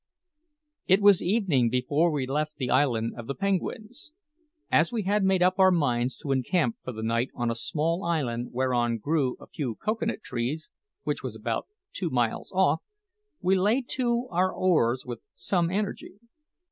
It was evening before we left the island of the penguins. As we had made up our minds to encamp for the night on a small island whereon grew a few cocoa nut trees, which was about two miles off, we lay to our oars with some energy.